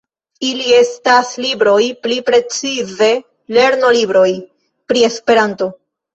Ili estas libroj, pli precize lernolibroj, pri Esperanto.